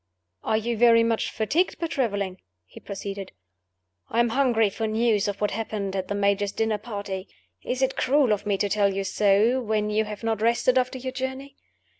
"Are you very much fatigued by traveling?" he proceeded. "I am hungry for news of what happened at the Major's dinner party. Is it cruel of me to tell you so, when you have not rested after your journey?